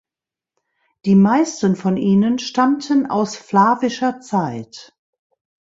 Die meisten von ihnen stammten aus flavischer Zeit.